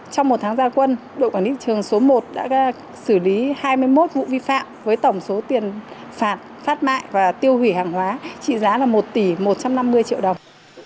trong một tháng gia quân đội quản lý thị trường số một đã xử lý hai mươi một vụ vi phạm với tổng số tiền phạt phát mại và tiêu hủy hàng hóa trị giá là một tỷ một trăm năm mươi triệu đồng